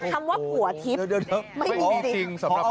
ทำว่าผัวทิศไม่มีจริงสำหรับรุ้ง